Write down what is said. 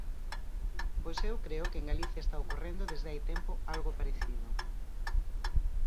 Pois eu creo que en Galicia está ocorrendo desde hai tempo algo parecido.